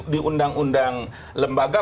di undang undang lembaga